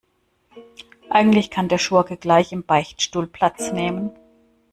Eigentlich kann der Schurke gleich im Beichtstuhl Platz nehmen.